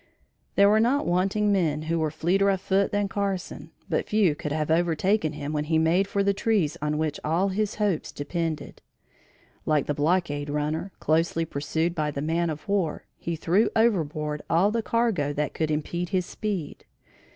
There were not wanting men who were fleeter of foot than Carson, but few could have overtaken him when he made for the trees on which all his hopes depended. Like the blockade runner, closely pursued by the man of war, he threw overboard all the cargo that could impede his speed.